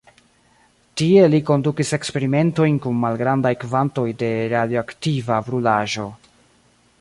Tie li kondukis eksperimentojn kun malgrandaj kvantoj de radioaktiva brulaĵo.